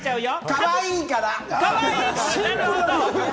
かわいいから。